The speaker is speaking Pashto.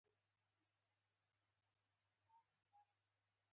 درېمه پوښتنه: د شاه زمان د واکمنۍ کورنۍ ستونزې کومې وې؟